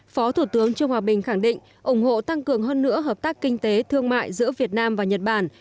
phó thủ tướng trương hòa bình khẳng định ủng hộ tăng cường hơn nữa hợp tác kinh tế thương mại giữa việt nam và nhật bản